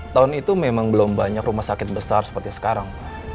tahun itu memang belum banyak rumah sakit besar seperti sekarang